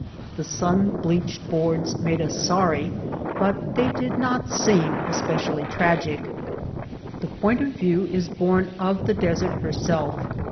The sun bleached boards made us sorry, but they did not seem especially tragic. The point of view is born of the desert her self.